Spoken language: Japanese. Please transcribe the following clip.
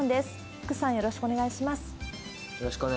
福さん、よろしくお願いします。